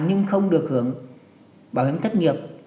nhưng không được hưởng bảo hiểm tất nghiệp